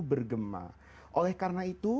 bergema oleh karena itu